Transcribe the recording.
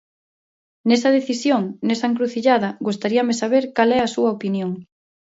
Nesa decisión, nesa encrucillada, gustaríame saber cal é a súa opinión.